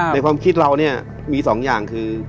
ในความคิดเรานี่มีสองอย่างคือ